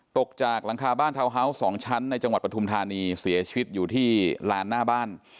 ตกจากหลังคาบ้านทาวน์ฮาวส์๒ชั้นในจังหวัดปฐุมธานีเสียชีวิตอยู่ที่ลานหน้าบ้าน